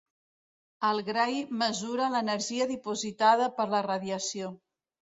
El gray mesura l'energia dipositada per la radiació.